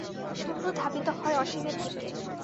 শূন্য ধাবিত হয় অসীমের দিকে।